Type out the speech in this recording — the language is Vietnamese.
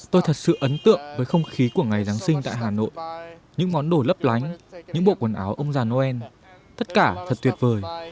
tôi thật sự ấn tượng với không khí của ngày giáng sinh tại hà nội những món đồ lấp lánh những bộ quần áo ông già noel tất cả thật tuyệt vời